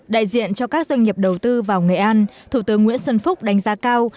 đại diện cho các doanh nghiệp đầu tư vào nghệ an thủ tướng nguyễn xuân phúc đánh giá cao